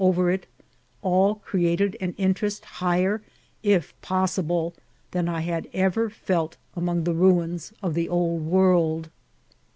oyer it, all created an int^est higgler) if poesihle, than I had e^er felt among the nuna of the Old Wodd.